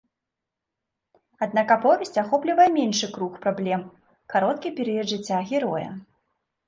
Аднак аповесць ахоплівае меншы круг праблем, кароткі перыяд жыцця героя.